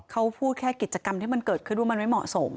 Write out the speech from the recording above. เขาพูดแค่กิจกรรมที่มันเกิดขึ้นว่ามันไม่เหมาะสม